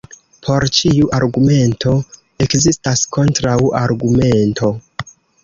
Por ĉiu argumento ekzistas kontraŭargumento.